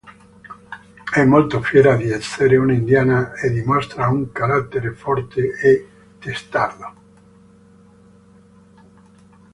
È molto fiera di essere un'indiana e dimostra un carattere forte e testardo.